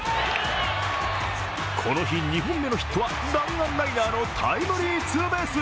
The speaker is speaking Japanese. この日２本目のヒットは弾丸ライナーのタイムリーツーベース。